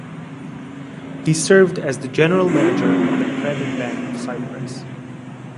He served as the General Manager of the Credit Bank of Cyprus.